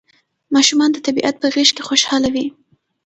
ماشومان د طبیعت په غېږ کې خوشاله وي.